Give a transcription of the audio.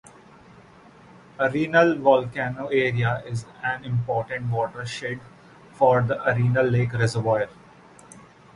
Arenal Volcano area is an important watershed for the Arenal Lake Reservoir.